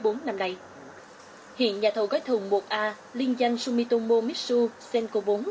năm hai nghìn một mươi bốn năm nay hiện nhà thầu gói thùng một a liên danh sumitomo mitsuo senko bốn